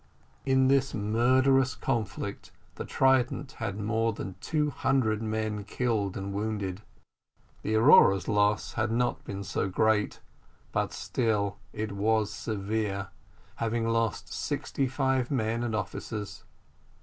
In this murderous conflict the Trident had more than two hundred men killed and wounded. The Aurora's loss had not been so great, but still it was severe, having lost sixty five men and officers.